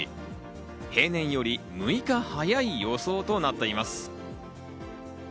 平年より６日早い予想となっています。